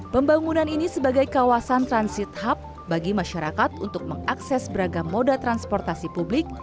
pembangunan ini sebagai kawasan transit hub bagi masyarakat untuk mengakses beragam moda transportasi publik